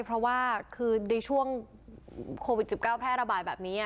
เพราะว่าคือในช่วงโควิด๑๙แพร่ระบาดแบบนี้